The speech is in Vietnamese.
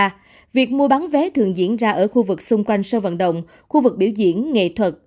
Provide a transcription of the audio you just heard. ngoài ra việc mua bán vé thường diễn ra ở khu vực xung quanh sân vận động khu vực biểu diễn nghệ thuật